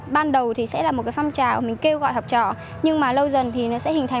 ban đầu thì sẽ là một cái phong trào mình kêu gọi học trò nhưng mà lâu dần thì nó sẽ hình thành